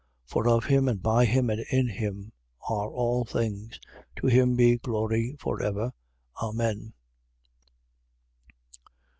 11:36. For of him, and by him, and in him, are all things: to him be glory for ever. Amen.